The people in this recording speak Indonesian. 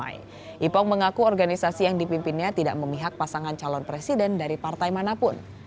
ipong mengaku organisasi yang dipimpinnya tidak memihak pasangan calon presiden dari partai manapun